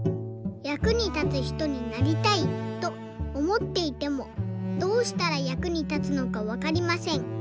「役に立つひとになりたいとおもっていてもどうしたら役に立つのかわかりません。